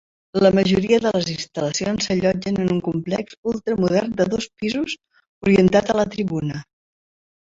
La majoria de les instal·lacions s'allotgen en un complex ultra modern de dos pisos orientat a la tribuna.